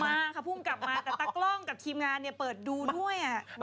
มาค่ะพรุ่งกลับมาแต่ตากล้องกับทีมงานเปิดดูด้วย